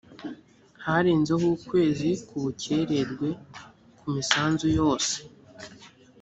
harenzeho ukwezi k ubukererwe ku misanzu yose